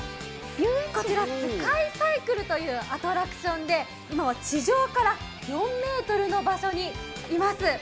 スカイサイクルというアトラクションで地上から４ｍの場所にいます。